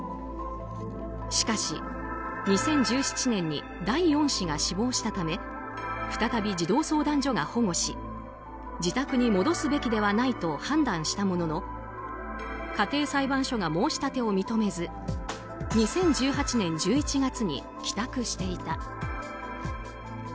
しかし、２０１７年に第４子が死亡したため再び児童相談所が保護し自宅に戻すべきではないと判断したものの家庭裁判所が申し立てを認めず２０１８年１１月に帰宅していた。